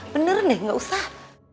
beneran ya gak usah